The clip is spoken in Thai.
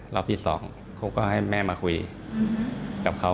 รอบที่สองเขาก็ให้แม่มาคุยกับเขา